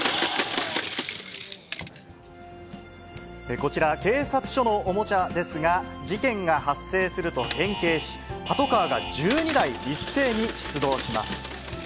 こちら、警察署のおもちゃですが、事件が発生すると変形し、パトカーが１２台一斉に出動します。